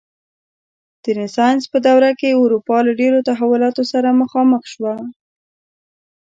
د رنسانس په دوره کې اروپا له ډېرو تحولاتو سره مخامخ شول.